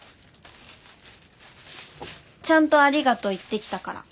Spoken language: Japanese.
ちゃんとありがとう言ってきたから。